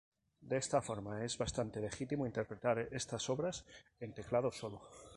De esta forma, es bastante legítimo interpretar estas obras en teclado solo.